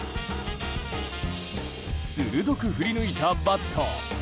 鋭く振り抜いたバット。